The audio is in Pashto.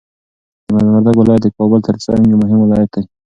د میدان وردګو ولایت د کابل تر څنګ یو مهم ولایت دی.